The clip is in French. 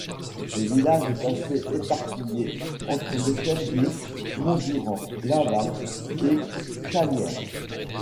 Le village est assez éparpillé, entre le chef-lieu, Mondurand, Laval et Challières.